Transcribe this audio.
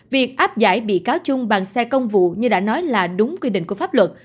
việc áp giải bị cáo chung bằng xe công vụ như đã nói là đúng quy định của pháp luật